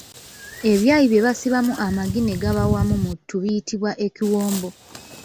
Ebyayi bye basibamu amagi ne gaba wamu mu ttu biyitibwa ekiwombo